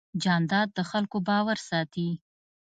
جانداد د خلکو باور ساتي.